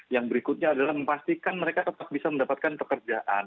yang berikutnya adalah memastikan mereka tetap bisa mendapatkan pekerjaan